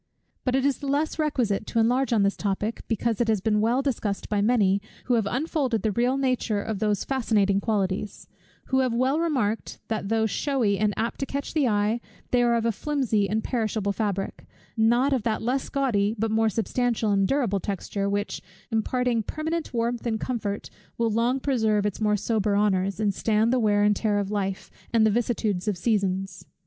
But it is the less requisite to enlarge on this topic, because it has been well discussed by many, who have unfolded the real nature of those fascinating qualities; who have well remarked, that though shewy and apt to catch the eye, they are of a flimsy and perishable fabric, not of that less gaudy but more substantial and durable texture, which, imparting permanent warmth and comfort, will long preserve its more sober honours, and stand the wear and tear of life, and the vicissitudes of seasons.